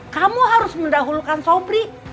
kamu harus mendahulukan sobri